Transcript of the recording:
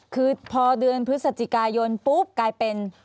คือพอเดือนพฤศจิกายนปุ๊บกลายเป็น